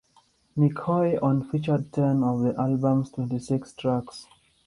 Mick Hoy on featured ten of the album's twenty-six tracks.